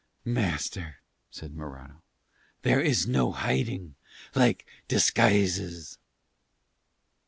"Master," said Morano, "there is no hiding like disguises."